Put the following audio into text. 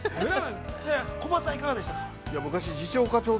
コバさん、いかがでしたか。